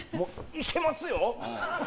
行けますよ！